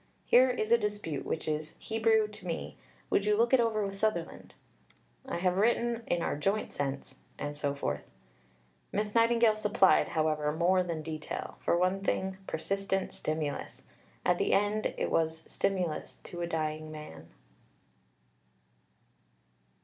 "Here is a dispute which is Hebrew to me; would you look it over with Sutherland?" "I have written in our joint sense," and so forth. Miss Nightingale supplied, however, more than detail for one thing, persistent stimulus. At the end it was stimulus to a dying man.